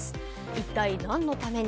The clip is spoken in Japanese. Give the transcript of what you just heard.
一体何のために？